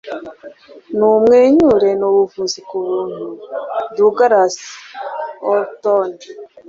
numwenyure, ni ubuvuzi ku buntu. - douglas horton